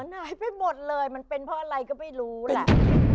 หายไปหมดเลยมันเป็นเพราะอะไรก็ไม่รู้แหละ